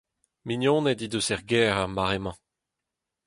Mignoned he deus er gêr er mare-mañ.